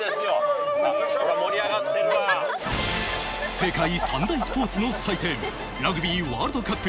世界三大スポーツの祭典、ラグビーワールドカップ。